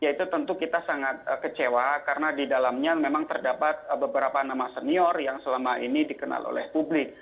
dan saya juga sangat kecewa karena di dalamnya memang terdapat beberapa nama senior yang selama ini dikenal oleh publik